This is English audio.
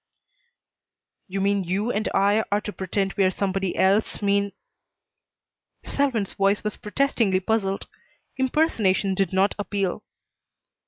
"You mean you and I are to pretend we are somebody else, mean " Selwyn's voice was protestingly puzzled. Impersonation did not appeal.